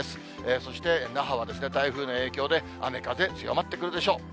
そして、那覇は台風の影響で、雨風強まってくるでしょう。